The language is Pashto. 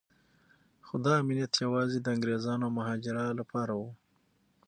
خو دا امنیت یوازې د انګریزانو او مهاراجا لپاره و.